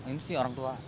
ini sih orang tua